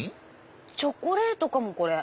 チョコレートかもこれ。